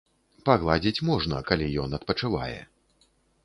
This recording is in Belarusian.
Пагладзіць можна, калі ён адпачывае.